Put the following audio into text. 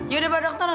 ya udah pak dokter